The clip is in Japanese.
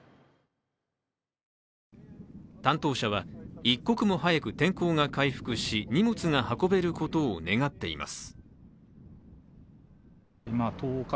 担当者は一刻も早く天候が回復し荷物が運べることを願っています。